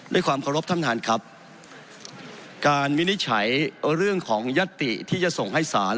ด้วยความเคารพท่านท่านครับการวินิจฉัยเรื่องของยัตติที่จะส่งให้ศาล